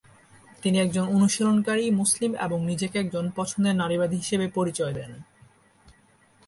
তিনি একজন অনুশীলনকারী মুসলিম এবং নিজেকে একজন পছন্দের নারীবাদী হিসেবে পরিচয় দেন।